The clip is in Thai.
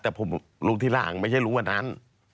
แต่ผมรู้ที่ร่างไม่ใช่รู้วันนั้น